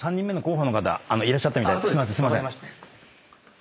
すいません。